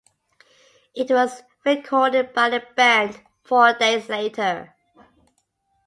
It was recorded by the band four days later.